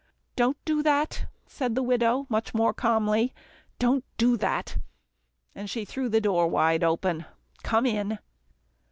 "Don't do that," said the widow much more calmly, "don't do that," and she threw the door wide open. "Come in."